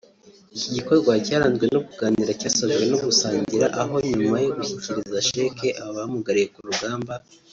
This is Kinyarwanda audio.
Iki gikorwa cyaranzwe no kuganira cyasojwe no gusangira aho nyuma yo gushyikiriza sheke aba bamugariye ku rugamba